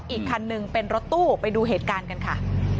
อีกคันหนึ่งเป็นรถตู้ไปดูเหตุการณ์กันค่ะ